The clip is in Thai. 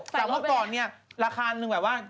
แต่เมื่อก่อนเนี่ยราคาหนึ่งแบบว่า